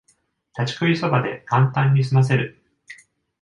立ち食いそばでカンタンにすませる